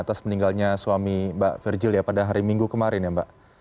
atas meninggalnya suami mbak virgilia pada hari minggu kemarin ya mbak